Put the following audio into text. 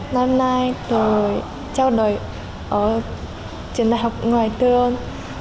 năm nay tôi trao đổi ở trường đại học ngoại thương